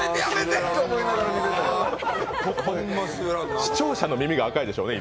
視聴者の耳が赤いでしょうね、今。